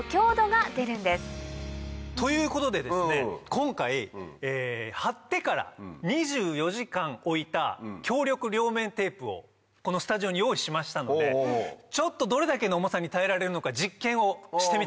今回貼ってから２４時間置いた強力両面テープをこのスタジオに用意しましたのでどれだけの重さに耐えられるのか実験をしてみたいと思います。